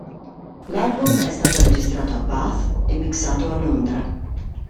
L'album è stato registrato a Bath e mixato a Londra.